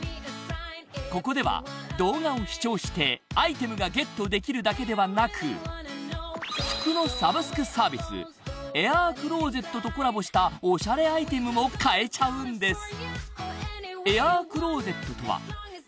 ［ここでは動画を視聴してアイテムがゲットできるだけではなく服のサブスクサービスエアークローゼットとコラボしたおしゃれアイテムも買えちゃうんです］